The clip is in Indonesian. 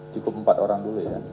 cukup empat orang dulu ya